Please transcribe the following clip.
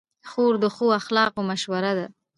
خور د ښو اخلاقو مشهوره ده.